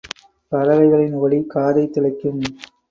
பறவைகளின் ஒலி காதைத் துளைக்கும்.